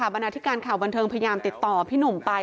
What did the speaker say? บรรณาธิการข่าวบันเทิงพยายามติดต่อพี่หนุ่มไป